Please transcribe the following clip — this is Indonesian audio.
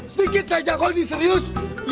sedikit saya jago ini serius